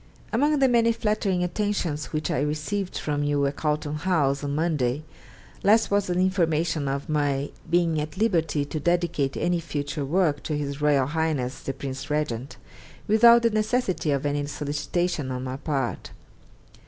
Among the many flattering attentions which I received from you at Carlton House on Monday last was the information of my being at liberty to dedicate any future work to His Royal Highness the Prince Regent, without the necessity of any solicitation on my part.